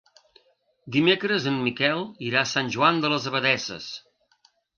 Dimecres en Miquel irà a Sant Joan de les Abadesses.